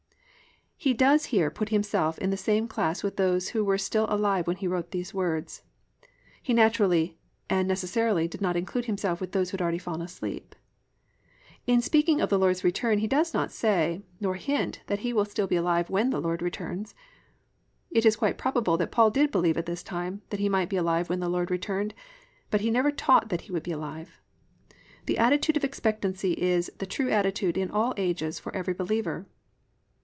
"+ He does here put himself in the same class with those who were still alive when he wrote the words. He naturally and necessarily did not include himself with those who had already fallen asleep. In speaking of the Lord's return he does not say nor hint that he will be still alive when the Lord returns. It is quite probable that Paul did believe at this time that he might be alive when the Lord returned but he never taught that he would be alive. The attitude of expectancy is the true attitude in all ages for every believer.